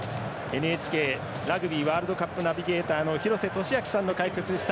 ＮＨＫラグビーワールドカップナビゲーターの廣瀬俊朗さんの解説でした。